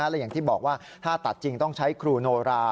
และอย่างที่บอกว่าถ้าตัดจริงต้องใช้ครูโนรา